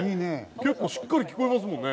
結構しっかり聞こえますもんね。